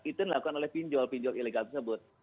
itu yang dilakukan oleh pinjol pinjol ilegal tersebut